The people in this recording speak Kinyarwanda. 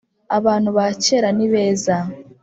Abantu ba kera nibeza